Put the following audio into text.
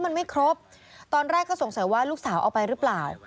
มันไม่ครบตอนแรกก็สงสัยว่าลูกสาวเอาไปหรือเปล่า